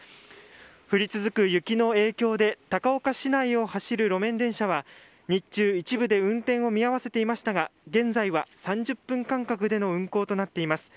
降り続く雪の影響で高岡市内を走る路面電車は日中、一部で運転を見合わせていましたが現在は３０分間間隔での運行となっています。